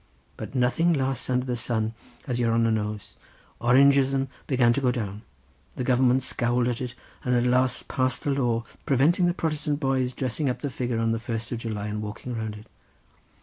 But nothing lasts under the sun, as your hanner knows; Orangeism began to go down; the Government scowled at it, and at last passed a law preventing the Protestant boys dressing up the figure on the first of July, and walking round it.